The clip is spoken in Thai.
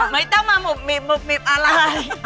ไม่ต้องมาหมุบหิบหุบหิบอะไร